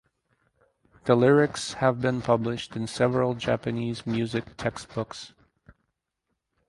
The lyrics have been published in several Japanese music textbooks.